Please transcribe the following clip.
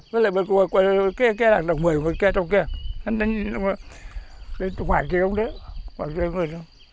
cái lồng vũ khí cái lồng vũ khí cái lồng vũ khí cái lồng vũ khí cái lồng vũ khí cái lồng vũ khí